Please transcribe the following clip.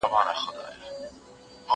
هغه وويل چي امادګي مهم دی!؟